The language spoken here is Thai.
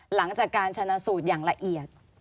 หลังจากการชนะสูตรอย่างละเอียด